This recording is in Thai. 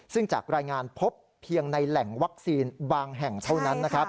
ซึ่งจากรายงานพบเพียงในแหล่งวัคซีนบางแห่งเท่านั้นนะครับ